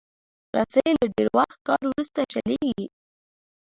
رسۍ له ډېر وخت کار وروسته شلېږي.